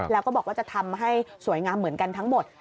แล้วก็บอกว่าจะทำให้สวยงามเหมือนกันทั้งหมด